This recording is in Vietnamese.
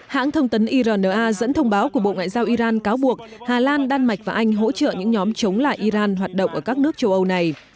hãng thông tấn irna dẫn thông báo của bộ ngoại giao iran cáo buộc hà lan đan mạch và anh hỗ trợ những nhóm chống lại iran hoạt động ở các nước châu âu này